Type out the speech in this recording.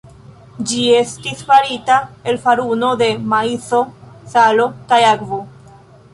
Ĝi estas farita el faruno de maizo, salo kaj akvo.